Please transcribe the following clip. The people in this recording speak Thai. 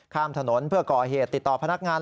ข้ามถนนเพื่อก่อเหตุติดต่อพนักงาน